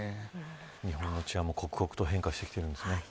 日本の治安も、刻々と変化してきているんですね。